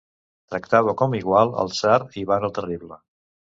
Tractava com igual al tsar Ivan el Terrible.